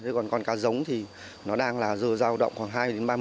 thế còn con cá giống thì nó đang là giờ giao động khoảng hai ba mươi